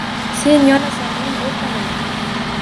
Sen yonasan, men o’rtanaman